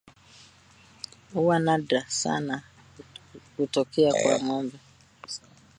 Huwa nadra sana kutokea kwa ng'ombe